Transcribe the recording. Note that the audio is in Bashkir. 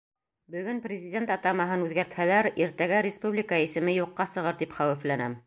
— Бөгөн президент атамаһын үҙгәртһәләр, иртәгә республика исеме юҡҡа сығыр тип хәүефләнәм.